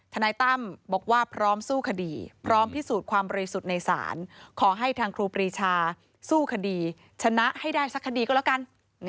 นายตั้มบอกว่าพร้อมสู้คดีพร้อมพิสูจน์ความบริสุทธิ์ในศาลขอให้ทางครูปรีชาสู้คดีชนะให้ได้สักคดีก็แล้วกัน